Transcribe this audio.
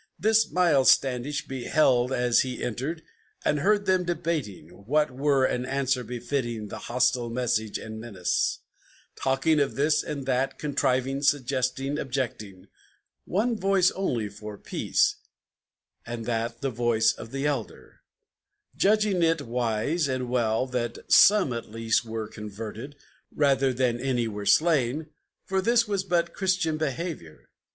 This Miles Standish beheld, as he entered, and heard them debating What were an answer befitting the hostile message and menace, Talking of this and of that, contriving, suggesting, objecting; One voice only for peace, and that the voice of the Elder, Judging it wise and well that some at least were converted, Rather than any were slain, for this was but Christian behavior!